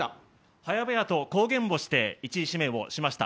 早々と公言をして１位指名をしました。